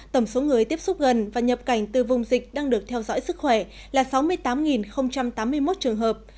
tổng số người tiếp xúc gần và nhập cảnh từ vùng dịch đang được theo dõi sức khỏe là sáu mươi tám tám mươi một trường hợp